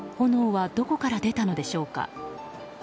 炎はどこから出たのでしょうか。